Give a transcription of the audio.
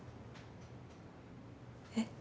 えっ？